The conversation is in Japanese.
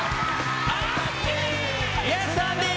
イエス、アンディー。